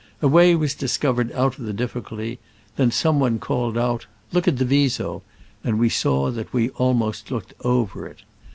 A way was discovered out of the difficulty: then some one called out, " Look at the Viso !'* and we saw that we almost looked over it.